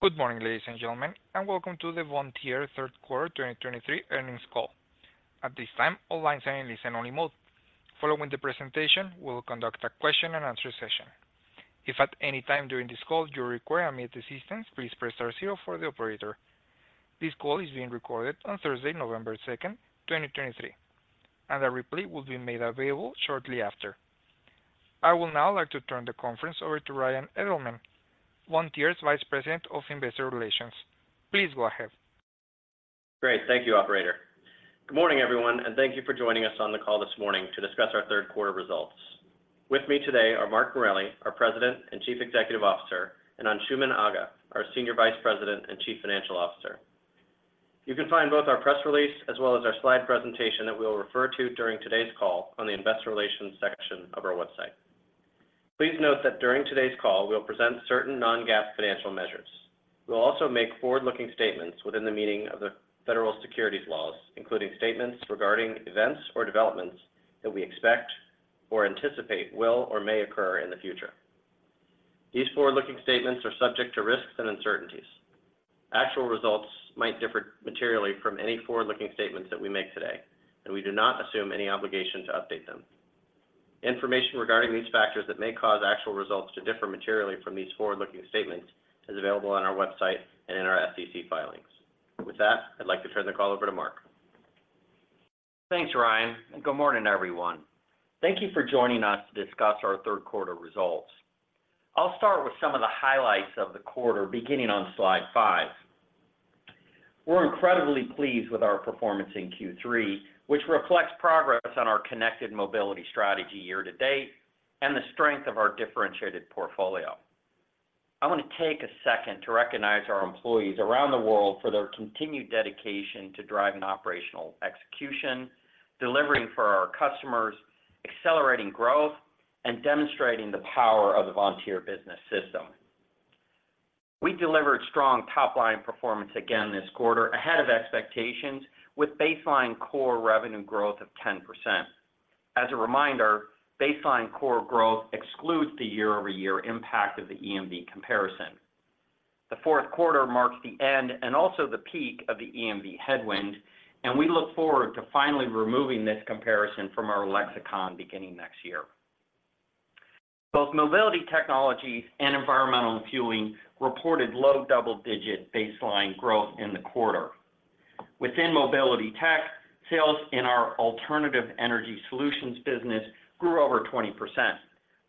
Good morning, ladies and gentlemen, and welcome to the Vontier third quarter 2023 earnings call. At this time, all lines are in listen-only mode. Following the presentation, we'll conduct a question and answer session. If at any time during this call you require immediate assistance, please press star zero for the operator. This call is being recorded on Thursday, November 2, 2023, and a replay will be made available shortly after. I would now like to turn the conference over to Ryan Edelman, Vontier's Vice President of Investor Relations. Please go ahead. Great. Thank you, operator. Good morning, everyone, and thank you for joining us on the call this morning to discuss our third quarter results. With me today are Mark Morelli, our President and Chief Executive Officer, and Anshooman Aga, our Senior Vice President and Chief Financial Officer. You can find both our press release as well as our slide presentation that we will refer to during today's call on the investor relations section of our website. Please note that during today's call, we'll present certain non-GAAP financial measures. We'll also make forward-looking statements within the meaning of the federal securities laws, including statements regarding events or developments that we expect or anticipate will or may occur in the future. These forward-looking statements are subject to risks and uncertainties. Actual results might differ materially from any forward-looking statements that we make today, and we do not assume any obligation to update them. Information regarding these factors that may cause actual results to differ materially from these forward-looking statements is available on our website and in our SEC filings. With that, I'd like to turn the call over to Mark. Thanks, Ryan, and good morning, everyone. Thank you for joining us to discuss our third quarter results. I'll start with some of the highlights of the quarter, beginning on slide five. We're incredibly pleased with our performance in Q3, which reflects progress on our connected mobility strategy year to date and the strength of our differentiated portfolio. I want to take a second to recognize our employees around the world for their continued dedication to driving operational execution, delivering for our customers, accelerating growth, and demonstrating the power of the Vontier Business System. We delivered strong top-line performance again this quarter, ahead of expectations, with baseline core revenue growth of 10%. As a reminder, baseline core growth excludes the year-over-year impact of the EMV comparison. The fourth quarter marks the end, and also the peak, of the EMV headwind, and we look forward to finally removing this comparison from our lexicon beginning next year. Both Mobility Technologies and Environmental and Fueling reported low double-digit baseline growth in the quarter. Within mobility tech, sales in our Alternative Energy Solutions business grew over 20%,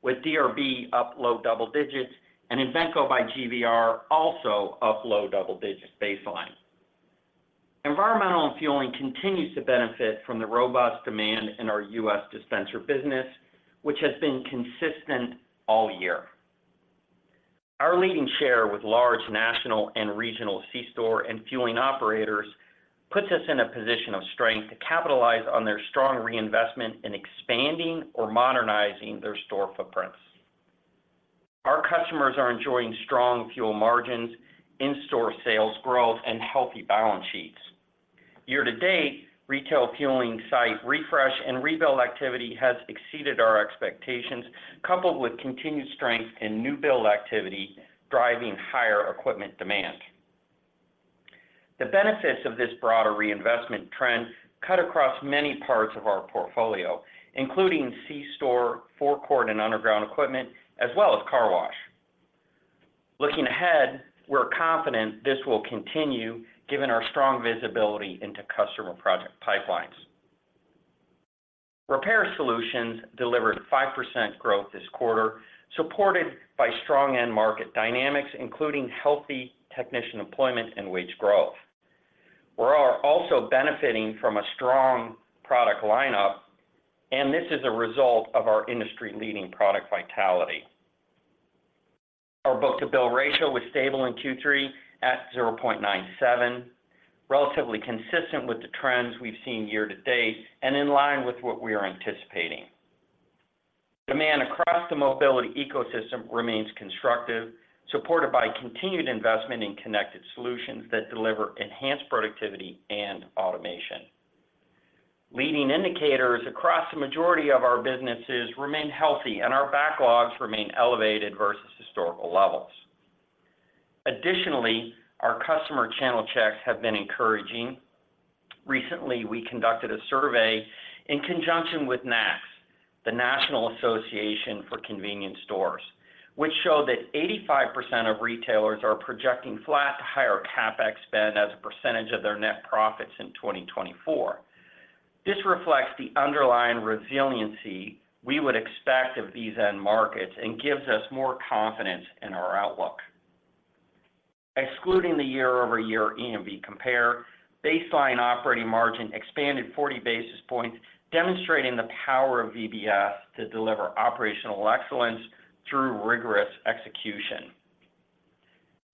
with DRB up low double digits, and Invenco by GVR also up low double digits baseline. Environmental and Fueling continues to benefit from the robust demand in our U.S. dispenser business, which has been consistent all year. Our leading share with large national and regional C-store and fueling operators puts us in a position of strength to capitalize on their strong reinvestment in expanding or modernizing their store footprints. Our customers are enjoying strong fuel margins, in-store sales growth, and healthy balance sheets. Year to date, retail fueling site refresh and rebuild activity has exceeded our expectations, coupled with continued strength in new build activity, driving higher equipment demand. The benefits of this broader reinvestment trend cut across many parts of our portfolio, including C-store, forecourt, and underground equipment, as well as car wash. Looking ahead, we're confident this will continue, given our strong visibility into customer project pipelines. Repair Solutions delivered 5% growth this quarter, supported by strong end market dynamics, including healthy technician employment and wage growth. We are also benefiting from a strong product lineup, and this is a result of our industry-leading product vitality. Our book-to-bill ratio was stable in Q3 at 0.97, relatively consistent with the trends we've seen year to date and in line with what we are anticipating. Demand across the mobility ecosystem remains constructive, supported by continued investment in connected solutions that deliver enhanced productivity and automation. Leading indicators across the majority of our businesses remain healthy, and our backlogs remain elevated versus historical levels. Additionally, our customer channel checks have been encouraging. Recently, we conducted a survey in conjunction with NACS, the National Association for Convenience Stores, which showed that 85% of retailers are projecting flat to higher CapEx spend as a percentage of their net profits in 2024. This reflects the underlying resiliency we would expect of these end markets and gives us more confidence in our outlook. Excluding the year-over-year EMV compare, baseline operating margin expanded 40 basis points, demonstrating the power of VBS to deliver operational excellence through rigorous execution.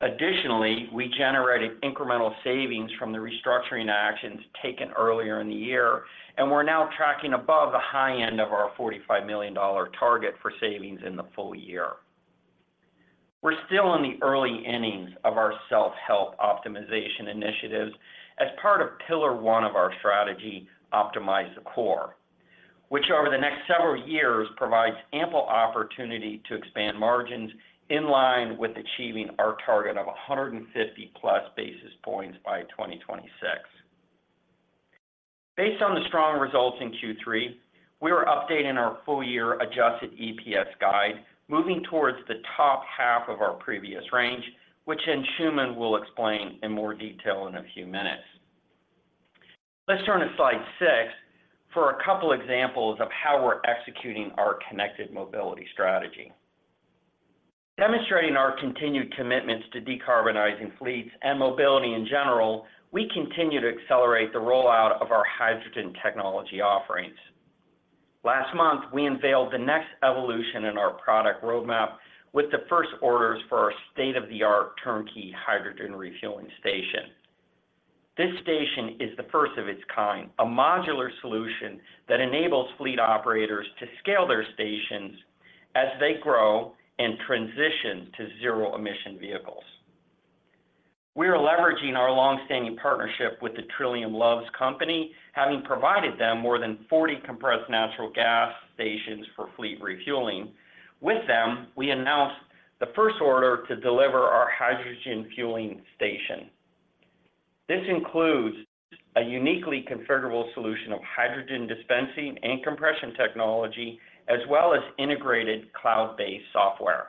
Additionally, we generated incremental savings from the restructuring actions taken earlier in the year, and we're now tracking above the high end of our $45 million target for savings in the full year. We're still in the early innings of our self-help optimization initiatives as part of pillar one of our strategy, optimize the core.... which over the next several years, provides ample opportunity to expand margins in line with achieving our target of 150+ basis points by 2026. Based on the strong results in Q3, we are updating our full year adjusted EPS guide, moving towards the top half of our previous range, which Anshooman Aga will explain in more detail in a few minutes. Let's turn to slide six for a couple examples of how we're executing our connected mobility strategy. Demonstrating our continued commitments to decarbonizing fleets and mobility in general, we continue to accelerate the rollout of our hydrogen technology offerings. Last month, we unveiled the next evolution in our product roadmap with the first orders for our state-of-the-art turnkey hydrogen refueling station. This station is the first of its kind, a modular solution that enables fleet operators to scale their stations as they grow and transition to zero emission vehicles. We are leveraging our long-standing partnership with the Trillium - A Love's Company, having provided them more than 40 compressed natural gas stations for fleet refueling. With them, we announced the first order to deliver our hydrogen fueling station. This includes a uniquely configurable solution of hydrogen dispensing and compression technology, as well as integrated cloud-based software.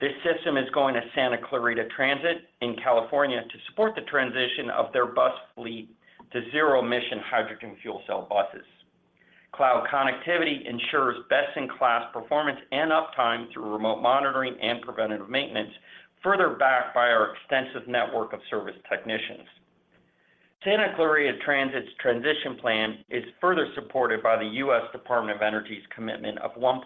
This system is going to Santa Clarita Transit in California to support the transition of their bus fleet to zero-emission hydrogen fuel cell buses. Cloud connectivity ensures best-in-class performance and uptime through remote monitoring and preventative maintenance, further backed by our extensive network of service technicians. Santa Clarita Transit's transition plan is further supported by the U.S. Department of Energy's commitment of $1.2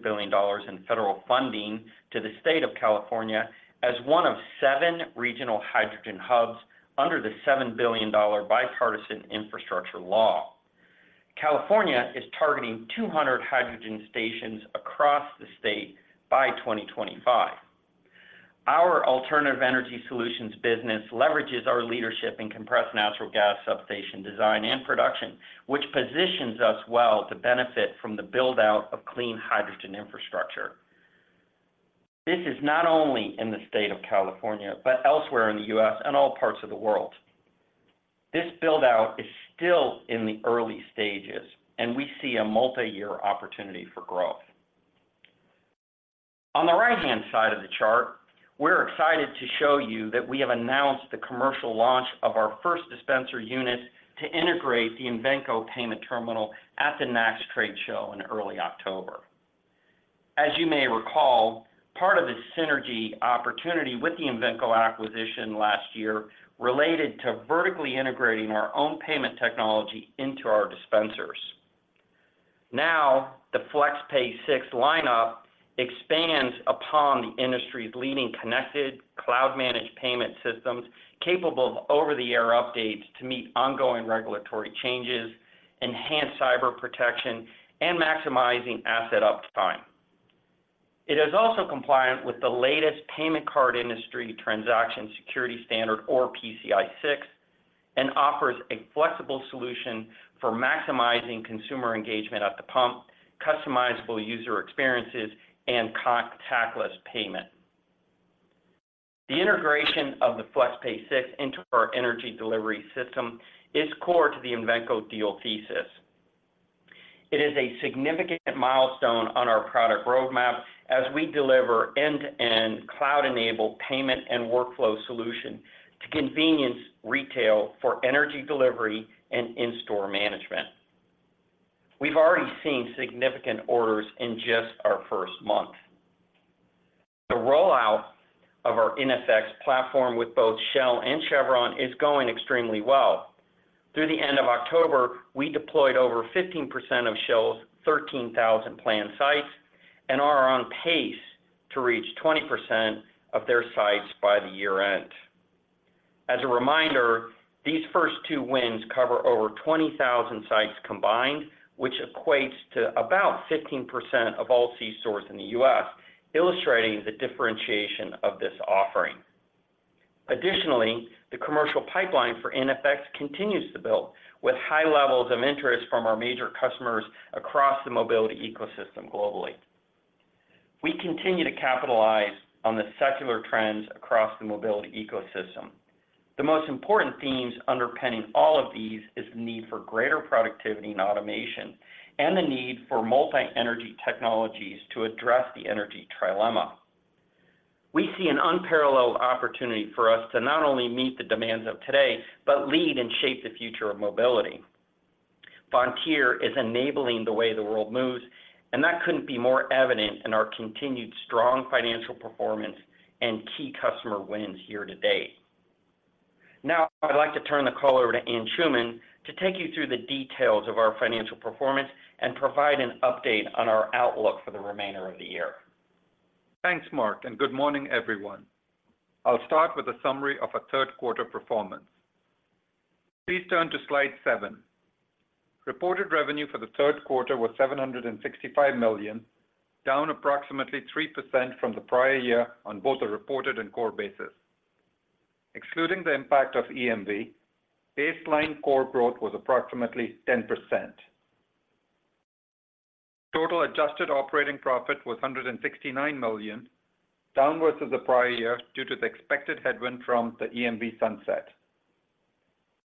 billion in federal funding to the state of California as one of seven regional hydrogen hubs under the $7 billion Bipartisan Infrastructure Law, California is targeting 200 hydrogen stations across the state by 2025. Our Alternative Energy Solutions business leverages our leadership in compressed natural gas substation design and production, which positions us well to benefit from the build-out of clean hydrogen infrastructure. This is not only in the state of California, but elsewhere in the U.S. and all parts of the world. This build-out is still in the early stages, and we see a multi-year opportunity for growth. On the right-hand side of the chart, we're excited to show you that we have announced the commercial launch of our first dispenser unit to integrate the Invenco payment terminal at the NACS trade show in early October. As you may recall, part of the synergy opportunity with the Invenco acquisition last year related to vertically integrating our own payment technology into our dispensers. Now, the FlexPay 6 lineup expands upon the industry's leading connected, cloud-managed payment systems, capable of over-the-air updates to meet ongoing regulatory changes, enhance cyber protection, and maximizing asset uptime. It is also compliant with the latest payment card industry transaction security standard, or PCI 6, and offers a flexible solution for maximizing consumer engagement at the pump, customizable user experiences, and contactless payment. The integration of the FlexPay 6 into our energy delivery system is core to the Invenco deal thesis. It is a significant milestone on our product roadmap as we deliver end-to-end cloud-enabled payment and workflow solution to convenience retail for energy delivery and in-store management. We've already seen significant orders in just our first month. The rollout of our iNFX platform with both Shell and Chevron is going extremely well. Through the end of October, we deployed over 15% of Shell's 13,000 planned sites and are on pace to reach 20% of their sites by the year-end. As a reminder, these first two wins cover over 20,000 sites combined, which equates to about 15% of all C stores in the U.S., illustrating the differentiation of this offering. Additionally, the commercial pipeline for iNFX continues to build, with high levels of interest from our major customers across the mobility ecosystem globally. We continue to capitalize on the secular trends across the mobility ecosystem. The most important themes underpinning all of these is the need for greater productivity and automation, and the need for multi-energy technologies to address the energy trilemma. We see an unparalleled opportunity for us to not only meet the demands of today, but lead and shape the future of mobility. Vontier is enabling the way the world moves, and that couldn't be more evident in our continued strong financial performance and key customer wins here today. Now, I'd like to turn the call over to Anshooman to take you through the details of our financial performance and provide an update on our outlook for the remainder of the year. Thanks, Mark, and good morning, everyone. I'll start with a summary of our third quarter performance. Please turn to slide seven. Reported revenue for the third quarter was $765 million, down approximately 3% from the prior year on both a reported and core basis, excluding the impact of EMV, baseline core growth was approximately 10%. Total adjusted operating profit was $169 million, downwards of the prior year due to the expected headwind from the EMV sunset.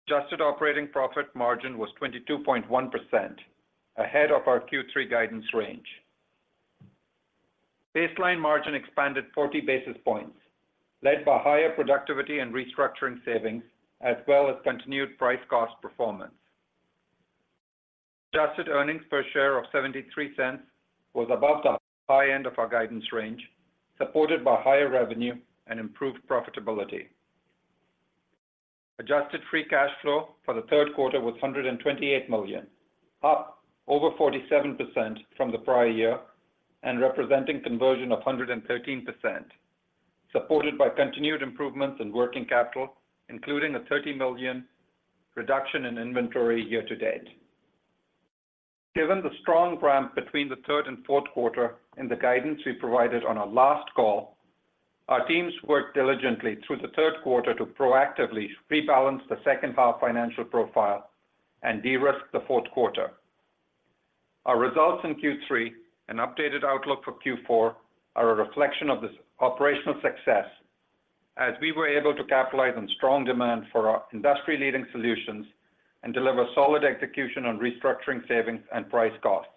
Adjusted operating profit margin was 22.1%, ahead of our Q3 guidance range. Baseline margin expanded 40 basis points, led by higher productivity and restructuring savings, as well as continued price-cost performance. Adjusted earnings per share of $0.73 was above the high end of our guidance range, supported by higher revenue and improved profitability. Adjusted free cash flow for the third quarter was $128 million, up over 47% from the prior year, and representing conversion of 113%, supported by continued improvements in working capital, including a $30 million reduction in inventory year-to-date. Given the strong ramp between the third and fourth quarter, and the guidance we provided on our last call, our teams worked diligently through the third quarter to proactively rebalance the second-half financial profile and de-risk the fourth quarter. Our results in Q3 and updated outlook for Q4 are a reflection of this operational success, as we were able to capitalize on strong demand for our industry-leading solutions and deliver solid execution on restructuring savings and price costs.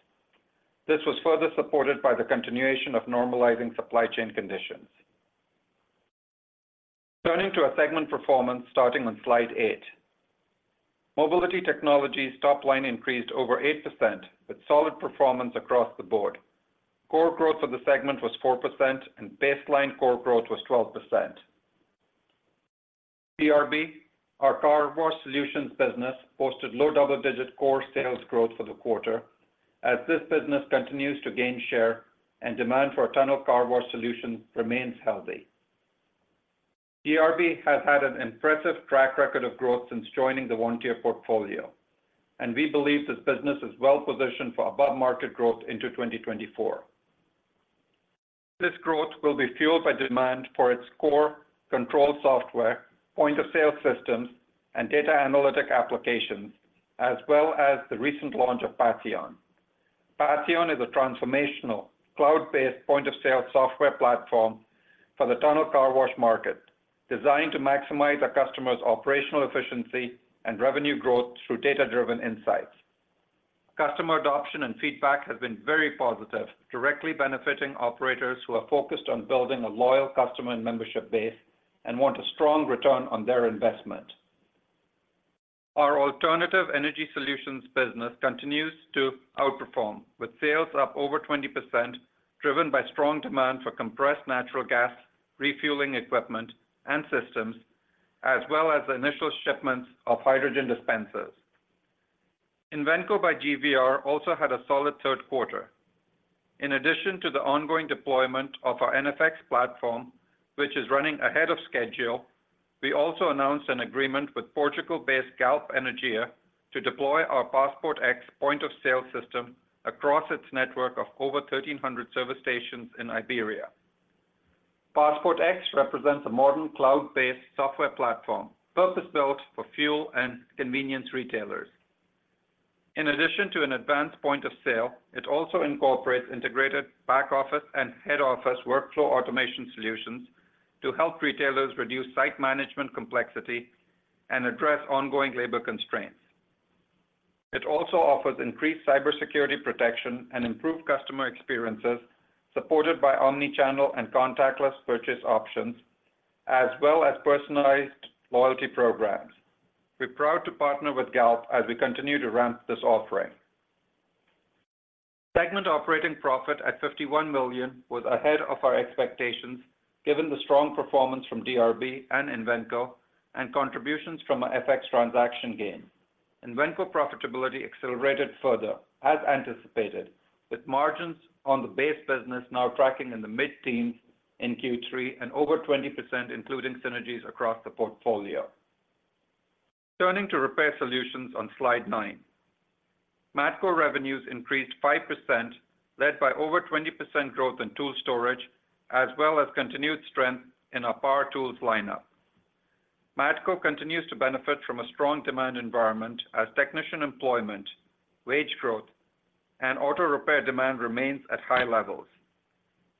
This was further supported by the continuation of normalizing supply chain conditions. Turning to our segment performance, starting on slide eight. Mobility Technologies top line increased over 8%, with solid performance across the board. Core growth for the segment was 4%, and baseline core growth was 12%. DRB, our car wash solutions business, posted low double-digit core sales growth for the quarter, as this business continues to gain share and demand for tunnel car wash solutions remains healthy. DRB has had an impressive track record of growth since joining the Vontier portfolio, and we believe this business is well positioned for above-market growth into 2024. This growth will be fueled by demand for its core control software, point-of-sale systems, and data analytic applications, as well as the recent launch of Patheon. Patheon is a transformational cloud-based point-of-sale software platform for the tunnel car wash market, designed to maximize our customers' operational efficiency and revenue growth through data-driven insights. Customer adoption and feedback has been very positive, directly benefiting operators who are focused on building a loyal customer and membership base, and want a strong return on their investment. Our Alternative Energy Solutions business continues to outperform, with sales up over 20%, driven by strong demand for compressed natural gas, refueling equipment, and systems, as well as the initial shipments of hydrogen dispensers. Invenco by GVR also had a solid third quarter. In addition to the ongoing deployment of our iNFX platform, which is running ahead of schedule, we also announced an agreement with Portugal-based Galp Energia to deploy our Passport X point-of-sale system across its network of over 1,300 service stations in Iberia. Passport X represents a modern, cloud-based software platform, purpose-built for fuel and convenience retailers. In addition to an advanced point of sale, it also incorporates integrated back office and head office workflow automation solutions to help retailers reduce site management complexity and address ongoing labor constraints. It also offers increased cybersecurity protection and improved customer experiences, supported by omni-channel and contactless purchase options, as well as personalized loyalty programs. We're proud to partner with Galp as we continue to ramp this offering. Segment operating profit at $51 million was ahead of our expectations, given the strong performance from DRB and Invenco, and contributions from our FX transaction gain. Invenco profitability accelerated further, as anticipated, with margins on the base business now tracking in the mid-teens% in Q3 and over 20%, including synergies across the portfolio. Turning to Repair Solutions on slide 9. Matco revenues increased 5%, led by over 20% growth in tool storage, as well as continued strength in our power tools lineup. Matco continues to benefit from a strong demand environment as technician employment, wage growth, and auto repair demand remains at high levels.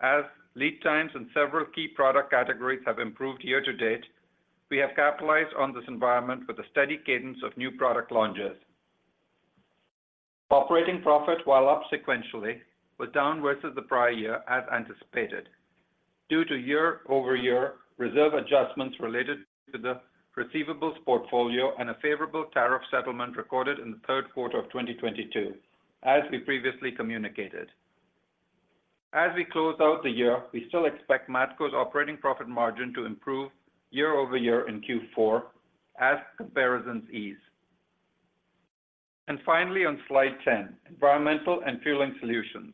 As lead times in several key product categories have improved year to date, we have capitalized on this environment with a steady cadence of new product launches. Operating profit, while up sequentially, was downwards of the prior year as anticipated, due to year-over-year reserve adjustments related to the receivables portfolio and a favorable tariff settlement recorded in the third quarter of 2022, as we previously communicated. As we close out the year, we still expect Matco's operating profit margin to improve year-over-year in Q4 as comparisons ease. Finally, on slide 10, Environmental and Fueling Solutions.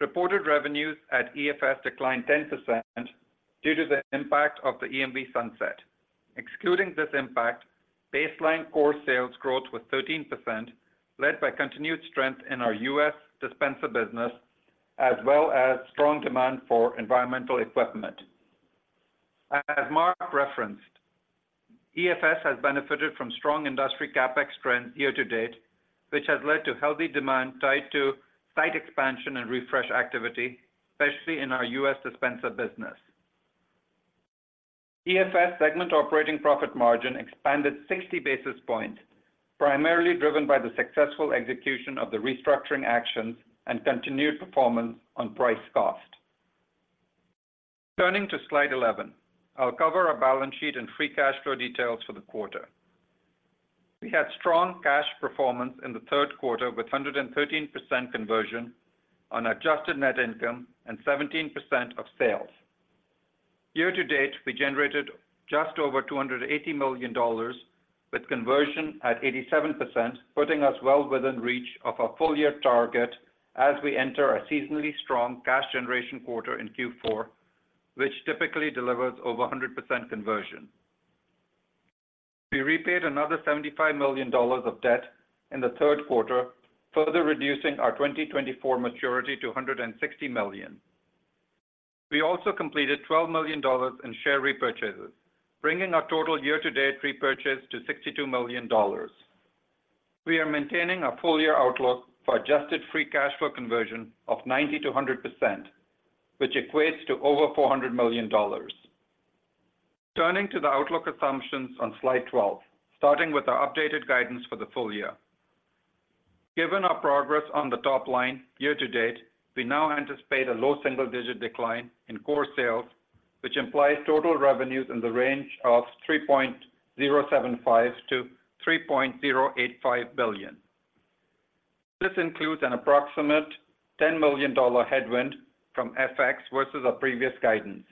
Reported revenues at EFS declined 10% due to the impact of the EMV sunset. Excluding this impact, baseline core sales growth was 13%, led by continued strength in our U.S. dispenser business, as well as strong demand for environmental equipment. As Mark referenced, EFS has benefited from strong industry CapEx trends year-to-date, which has led to healthy demand tied to site expansion and refresh activity, especially in our U.S. dispenser business. EFS segment operating profit margin expanded 60 basis points, primarily driven by the successful execution of the restructuring actions and continued performance on price cost. Turning to slide 11, I'll cover our balance sheet and free cash flow details for the quarter. We had strong cash performance in the third quarter, with 113% conversion on adjusted net income and 17% of sales. Year-to-date, we generated just over $280 million, with conversion at 87%, putting us well within reach of our full-year target as we enter a seasonally strong cash generation quarter in Q4, which typically delivers over 100% conversion. We repaid another $75 million of debt in the third quarter, further reducing our 2024 maturity to $160 million. We also completed $12 million in share repurchases, bringing our total year-to-date repurchase to $62 million. We are maintaining our full-year outlook for adjusted free cash flow conversion of 90%-100%, which equates to over $400 million. Turning to the outlook assumptions on slide 12, starting with our updated guidance for the full year. Given our progress on the top line year-to-date, we now anticipate a low single-digit decline in core sales, which implies total revenues in the range of $3.075-$3.085 billion. This includes an approximate $10 million headwind from FX versus our previous guidance.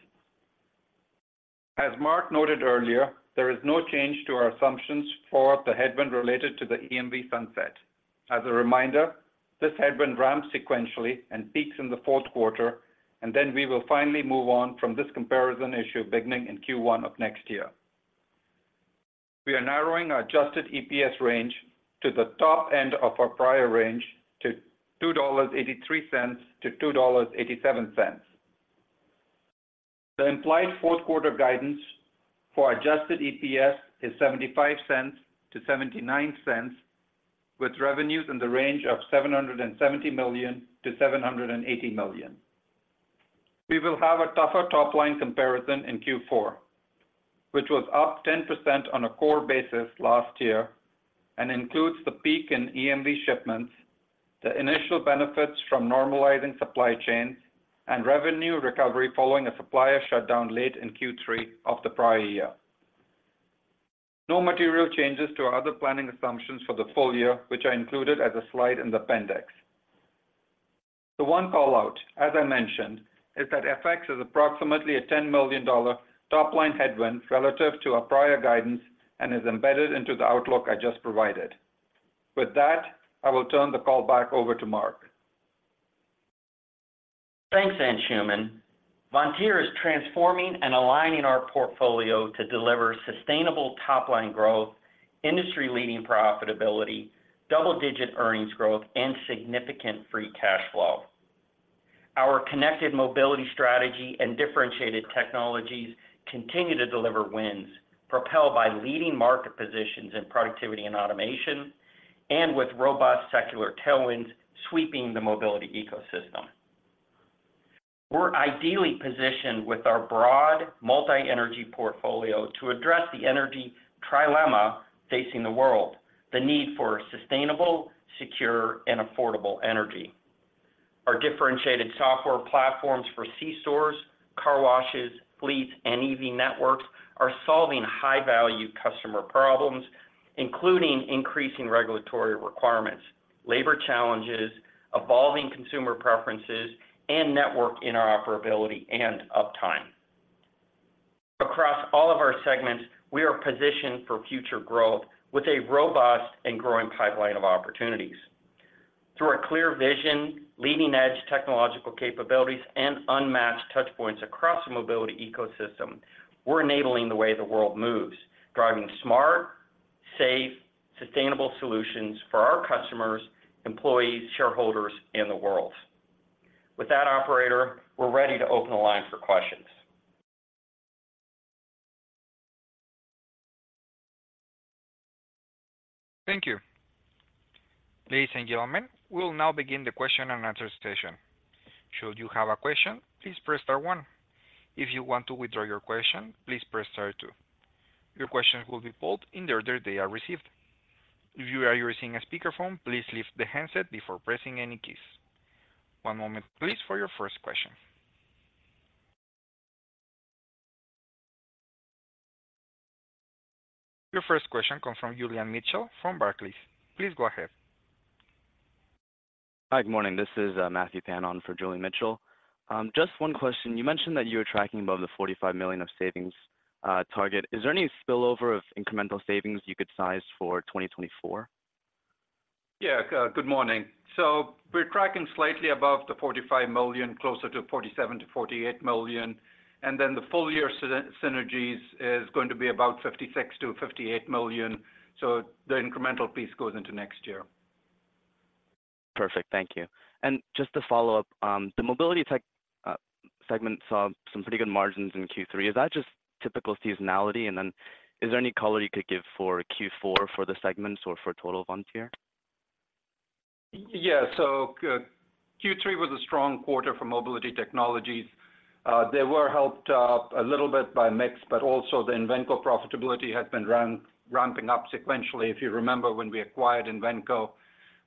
As Mark noted earlier, there is no change to our assumptions for the headwind related to the EMV sunset. As a reminder, this headwind ramps sequentially and peaks in the fourth quarter, and then we will finally move on from this comparison issue beginning in Q1 of next year. We are narrowing our adjusted EPS range to the top end of our prior range to $2.83-$2.87. The implied fourth quarter guidance for adjusted EPS is $0.75-$0.79, with revenues in the range of $770 million-$780 million. We will have a tougher top-line comparison in Q4, which was up 10% on a core basis last year and includes the peak in EMV shipments, the initial benefits from normalizing supply chains, and revenue recovery following a supplier shutdown late in Q3 of the prior year. No material changes to our other planning assumptions for the full year, which are included as a slide in the appendix. The one call-out, as I mentioned, is that FX is approximately a $10 million top-line headwind relative to our prior guidance and is embedded into the outlook I just provided. With that, I will turn the call back over to Mark. Thanks, Anshooman. Vontier is transforming and aligning our portfolio to deliver sustainable top-line growth, industry-leading profitability, double-digit earnings growth, and significant free cash flow. Our connected mobility strategy and differentiated technologies continue to deliver wins, propelled by leading market positions in productivity and automation, and with robust secular tailwinds sweeping the mobility ecosystem. We're ideally positioned with our broad multi-energy portfolio to address the energy trilemma facing the world: the need for sustainable, secure, and affordable energy. Our differentiated software platforms for C-stores, car washes, fleets, and EV networks are solving high-value customer problems, including increasing regulatory requirements, labor challenges, evolving consumer preferences, and network interoperability and uptime. Across all of our segments, we are positioned for future growth with a robust and growing pipeline of opportunities. Through our clear vision, leading-edge technological capabilities, and unmatched touchpoints across the mobility ecosystem, we're enabling the way the world moves, driving smart, safe, sustainable solutions for our customers, employees, shareholders, and the world. With that, operator, we're ready to open the line for questions. Thank you. Ladies and gentlemen, we will now begin the question-and-answer session. Should you have a question, please press star one. If you want to withdraw your question, please press star two. Your questions will be pulled in the order they are received. If you are using a speakerphone, please lift the handset before pressing any keys. One moment, please, for your first question. Your first question comes from Julian Mitchell from Barclays. Please go ahead. Hi, good morning. This is Matthew Pan on for Julian Mitchell. Just one question. You mentioned that you were tracking above the $45 million of savings target. Is there any spillover of incremental savings you could size for 2024? Yeah, good morning. So we're tracking slightly above the $45 million, closer to $47 million-$48 million, and then the full-year synergies is going to be about $56 million-$58 million, so the incremental piece goes into next year.... Perfect. Thank you. And just to follow up, the mobility tech segment saw some pretty good margins in Q3. Is that just typical seasonality? And then is there any color you could give for Q4 for the segments or for total Vontier? Yeah. So, Q3 was a strong quarter for Mobility Technologies. They were helped, a little bit by mix, but also the Invenco profitability has been ramping up sequentially. If you remember when we acquired Invenco,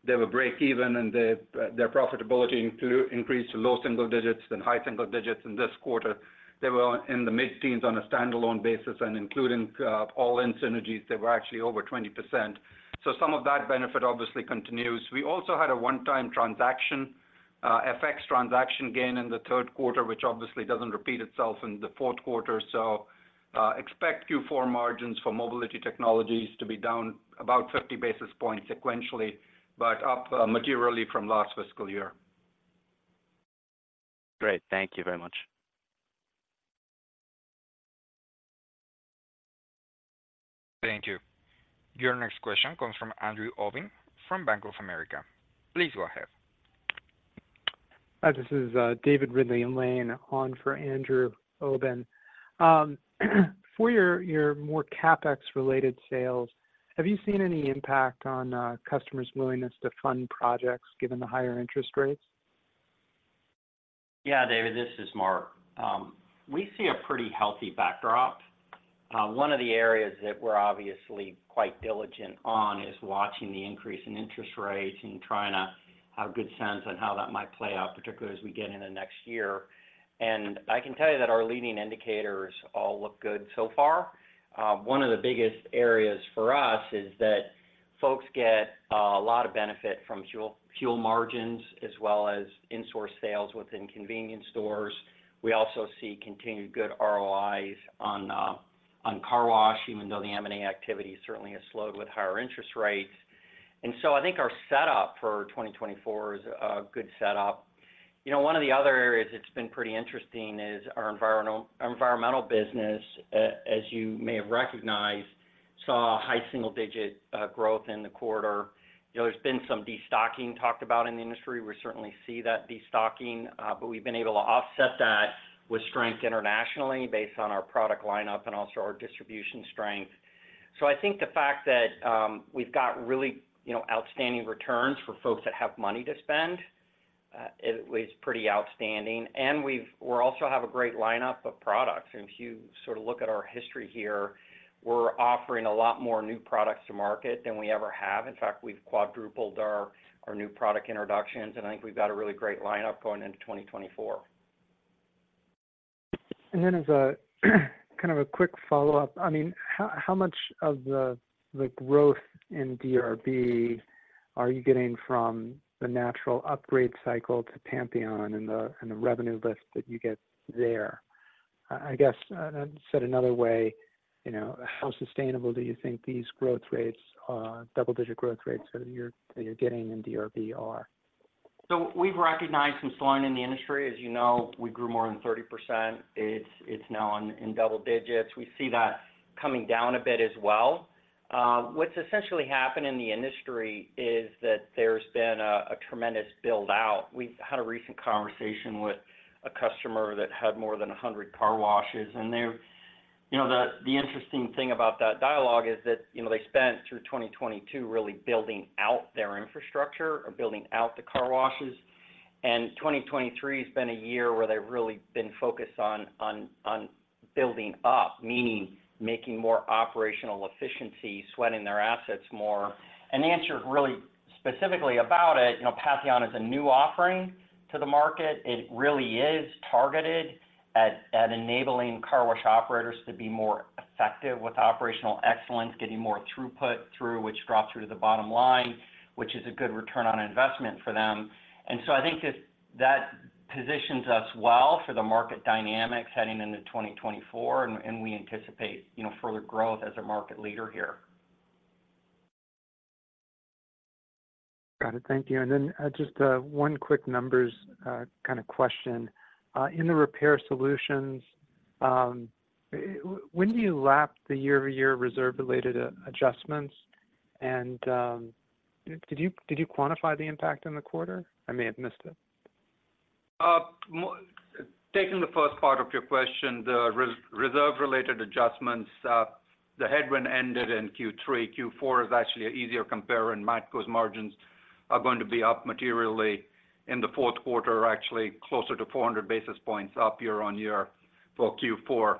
they were break even, and their profitability increased to low single digits, then high single digits. In this quarter, they were in the mid-teens on a standalone basis, and including all-in synergies, they were actually over 20%. So some of that benefit obviously continues. We also had a one-time transaction FX transaction gain in the third quarter, which obviously doesn't repeat itself in the fourth quarter. So, expect Q4 margins for Mobility Technologies to be down about 50 basis points sequentially, but up materially from last fiscal year. Great. Thank you very much. Thank you. Your next question comes from Andrew Obin, from Bank of America. Please go ahead. Hi, this is David Ridley-Lane on for Andrew Obin. For your more CapEx related sales, have you seen any impact on customers' willingness to fund projects given the higher interest rates? Yeah, David, this is Mark. We see a pretty healthy backdrop. One of the areas that we're obviously quite diligent on is watching the increase in interest rates and trying to have a good sense on how that might play out, particularly as we get into next year. I can tell you that our leading indicators all look good so far. One of the biggest areas for us is that folks get a lot of benefit from fuel, fuel margins as well as in-store sales within convenience stores. We also see continued good ROIs on car wash, even though the M&A activity certainly has slowed with higher interest rates. So I think our setup for 2024 is a good setup. You know, one of the other areas that's been pretty interesting is our environmental business, as you may have recognized, saw high single-digit growth in the quarter. You know, there's been some destocking talked about in the industry. We certainly see that destocking, but we've been able to offset that with strength internationally based on our product lineup and also our distribution strength. So I think the fact that we've got really, you know, outstanding returns for folks that have money to spend is pretty outstanding. And we also have a great lineup of products. And if you sort of look at our history here, we're offering a lot more new products to market than we ever have. In fact, we've quadrupled our new product introductions, and I think we've got a really great lineup going into 2024. As a kind of quick follow-up, I mean, how much of the growth in DRB are you getting from the natural upgrade cycle to Patheon and the revenue lift that you get there? I guess, said another way, you know, how sustainable do you think these growth rates are... double-digit growth rates that you're getting in DRB are? So we've recognized some slowing in the industry. As you know, we grew more than 30%. It's now in double digits. We see that coming down a bit as well. What's essentially happened in the industry is that there's been a tremendous build-out. We've had a recent conversation with a customer that had more than 100 car washes, and they... You know, the interesting thing about that dialogue is that, you know, they spent through 2022 really building out their infrastructure or building out the car washes. And 2023 has been a year where they've really been focused on building up, meaning making more operational efficiency, sweating their assets more. And the answer really specifically about it, you know, Patheon is a new offering to the market. It really is targeted at enabling car wash operators to be more effective with operational excellence, getting more throughput through, which drops through to the bottom line, which is a good return on investment for them. And so I think that positions us well for the market dynamics heading into 2024, and we anticipate, you know, further growth as a market leader here. Got it. Thank you. And then, just, one quick numbers, kind of question. In the Repair Solutions, when do you lap the year-over-year reserve-related, adjustments? And, did you, did you quantify the impact in the quarter? I may have missed it. Taking the first part of your question, the reserve-related adjustments, the headwind ended in Q3. Q4 is actually an easier compare, and Matco's margins are going to be up materially in the fourth quarter, actually closer to 400 basis points up year-over-year for Q4.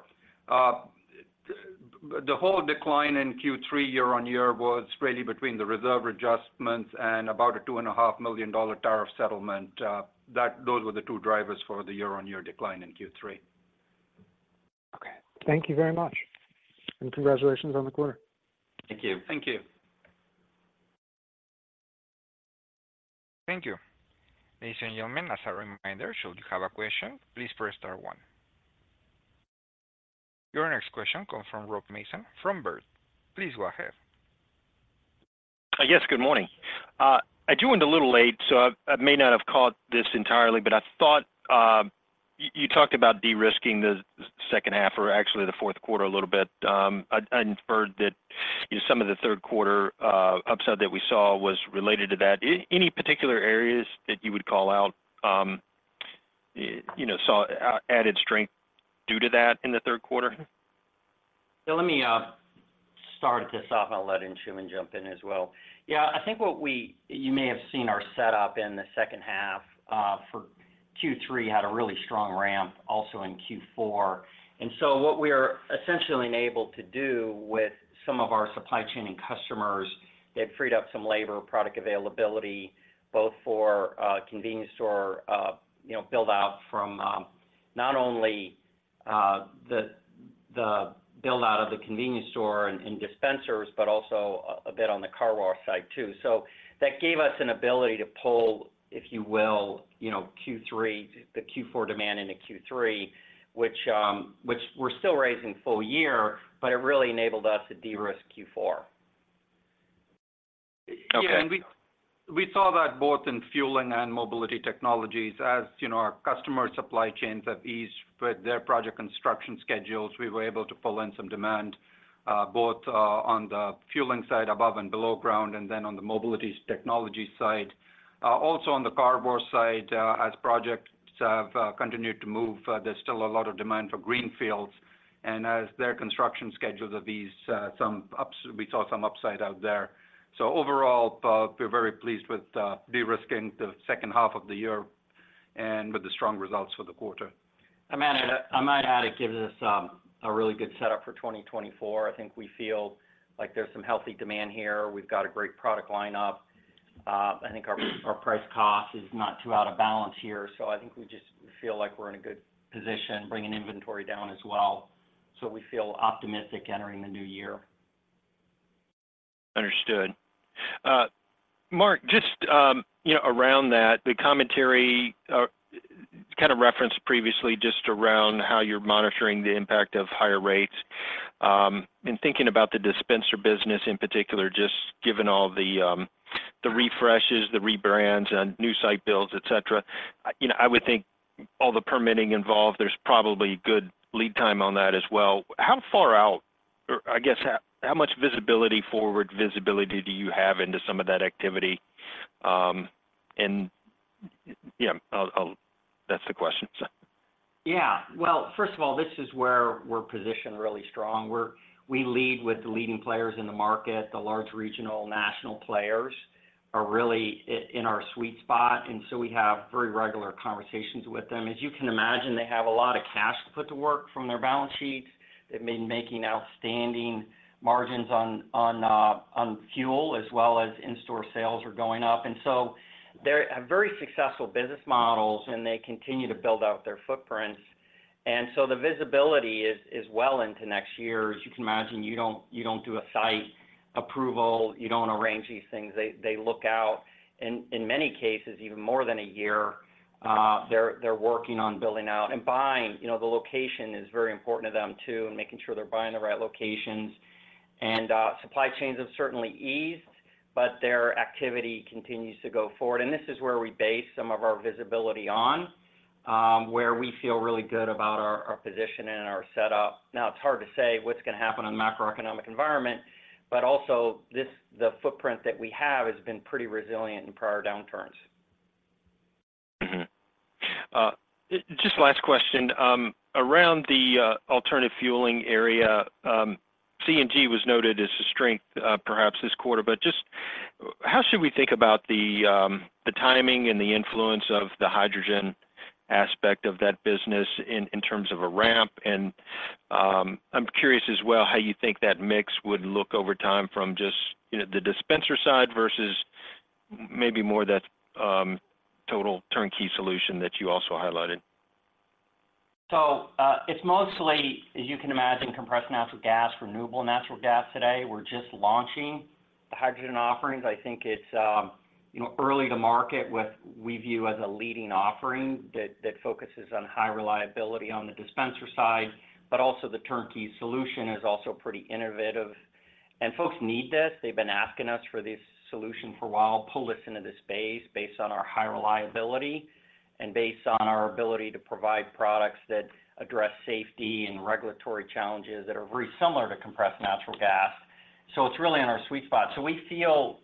The whole decline in Q3 year-over-year was really between the reserve adjustments and about a $2.5 million tariff settlement, those were the two drivers for the year-over-year decline in Q3. Okay. Thank you very much, and congratulations on the quarter. Thank you. Thank you. Thank you. Ladies and gentlemen, as a reminder, should you have a question, please press star one. Your next question comes from Rob Mason, from Baird. Please go ahead. Yes, good morning. I joined a little late, so I, I may not have caught this entirely, but I thought, ... You talked about de-risking the second half or actually the fourth quarter a little bit. I inferred that, you know, some of the third quarter upside that we saw was related to that. Any particular areas that you would call out, you know, saw added strength due to that in the third quarter? So let me start this off, and I'll let Anshooman jump in as well. Yeah, I think you may have seen our setup in the second half for Q3 had a really strong ramp also in Q4. So what we are essentially enabled to do with some of our supply chain and customers, it freed up some labor, product availability, both for convenience store, you know, build out from not only the build out of the convenience store and dispensers, but also a bit on the car wash side, too. So that gave us an ability to pull, if you will, you know, the Q4 demand into Q3, which we're still raising full year, but it really enabled us to de-risk Q4. Okay. Yeah, and we saw that both in fueling and Mobility Technologies. As you know, our customer supply chains have eased with their project construction schedules, we were able to pull in some demand both on the fueling side, above and below ground, and then on the mobility technology side. Also on the car wash side, as projects have continued to move, there's still a lot of demand for greenfields. And as their construction schedules have eased, we saw some upside out there. So overall, we're very pleased with de-risking the second half of the year and with the strong results for the quarter. I might add, it gives us a really good setup for 2024. I think we feel like there's some healthy demand here. We've got a great product lineup. I think our price cost is not too out of balance here, so I think we just feel like we're in a good position, bringing inventory down as well. So we feel optimistic entering the new year. Understood. Mark, just, you know, around that, the commentary, kind of referenced previously, just around how you're monitoring the impact of higher rates. In thinking about the dispenser business in particular, just given all the, the refreshes, the rebrands, and new site builds, et cetera, you know, I would think all the permitting involved, there's probably good lead time on that as well. How far out, or I guess, how much visibility, forward visibility do you have into some of that activity? And, yeah, I'll. That's the question, so. Yeah. Well, first of all, this is where we're positioned really strong, where we lead with the leading players in the market. The large regional, national players are really in our sweet spot, and so we have very regular conversations with them. As you can imagine, they have a lot of cash to put to work from their balance sheets. They've been making outstanding margins on fuel, as well as in-store sales are going up. And so they're a very successful business models, and they continue to build out their footprints. And so the visibility is well into next year. As you can imagine, you don't, you don't do a site approval, you don't arrange these things. They look out, and in many cases, even more than a year, they're working on building out. And buying, you know, the location is very important to them, too, and making sure they're buying the right locations. And, supply chains have certainly eased, but their activity continues to go forward. And this is where we base some of our visibility on, where we feel really good about our, our position and our setup. Now, it's hard to say what's going to happen on the macroeconomic environment, but also this, the footprint that we have, has been pretty resilient in prior downturns. Mm-hmm. Just last question. Around the alternative fueling area, CNG was noted as a strength, perhaps this quarter, but just how should we think about the timing and the influence of the hydrogen aspect of that business in terms of a ramp? And I'm curious as well, how you think that mix would look over time from just, you know, the dispenser side versus maybe more that total turnkey solution that you also highlighted. So, it's mostly, as you can imagine, compressed natural gas, renewable natural gas today. We're just launching the hydrogen offerings. I think it's, you know, early to market with we view as a leading offering that focuses on high reliability on the dispenser side, but also the turnkey solution is also pretty innovative. And folks need this. They've been asking us for this solution for a while. Pull us into this space based on our high reliability and based on our ability to provide products that address safety and regulatory challenges that are very similar to compressed natural gas. So it's really in our sweet spot. So we feel,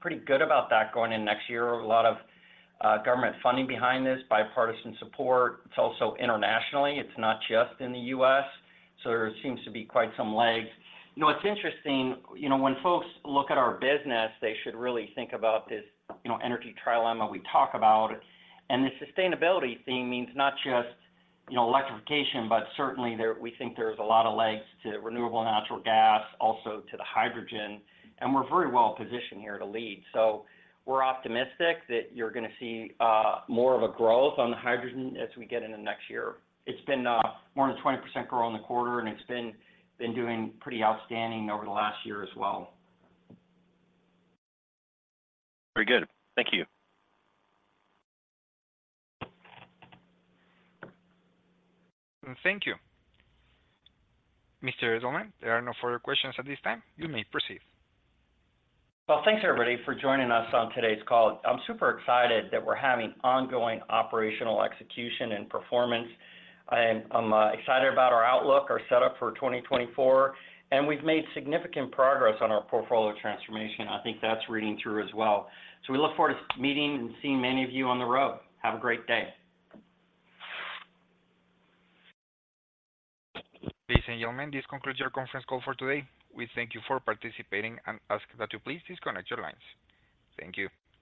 pretty good about that going in next year. A lot of, government funding behind this, bipartisan support. It's also internationally, it's not just in the U.S., so there seems to be quite some legs. You know, what's interesting, you know, when folks look at our business, they should really think about this, you know, energy trilemma we talk about. And the sustainability theme means not just, you know, electrification, but certainly there, we think there's a lot of legs to renewable natural gas, also to the hydrogen, and we're very well positioned here to lead. So we're optimistic that you're gonna see more of a growth on the hydrogen as we get into next year. It's been more than 20% growth in the quarter, and it's been doing pretty outstanding over the last year as well. Very good. Thank you. Thank you. Mr. Edelman, there are no further questions at this time. You may proceed. Well, thanks, everybody, for joining us on today's call. I'm super excited that we're having ongoing operational execution and performance, and I'm excited about our outlook, our setup for 2024, and we've made significant progress on our portfolio transformation. I think that's reading through as well. So we look forward to meeting and seeing many of you on the road. Have a great day. Ladies and gentlemen, this concludes your conference call for today. We thank you for participating and ask that you please disconnect your lines. Thank you.